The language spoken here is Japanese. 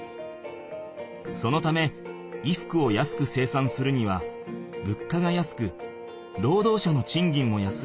そのため衣服を安く生産するにはぶっかが安くろうどう者のちんぎんも安い